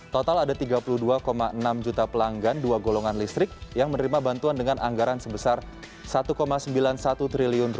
total ada rp tiga puluh dua enam juta pelanggan dua golongan listrik yang menerima bantuan dengan anggaran sebesar rp satu sembilan puluh satu triliun